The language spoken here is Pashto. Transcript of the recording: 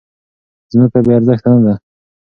ځمکه بې ارزښته نه ده.